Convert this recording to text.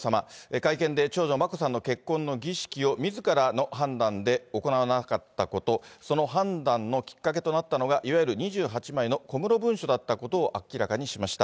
会見で長女、眞子さんの結婚の儀式をみずからの判断で行わなかったこと、その判断のきっかけとなったのが、いわゆる２８枚の小室文書だったことを明らかにしました。